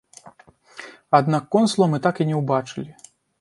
Аднак консула мы так і не ўбачылі.